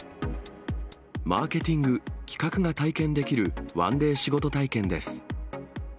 マーケティング、企画が体験できる１ｄａｙ仕事体験です。